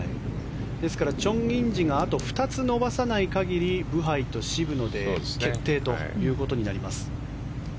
ですからチョン・インジがあと２つ伸ばさない限りブハイと渋野で決定ということになります。